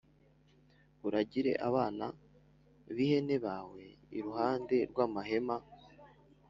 Uragire abana b ihene bawe iruhande rw amahema